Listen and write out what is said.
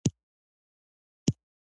د جګړې لپاره نېک شګون گاڼه.